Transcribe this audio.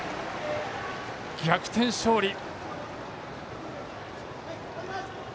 逆転勝利。